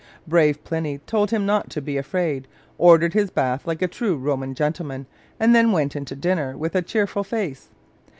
Brave Pliny told him not to be afraid, ordered his bath like a true Roman gentleman, and then went into dinner with a cheerful face.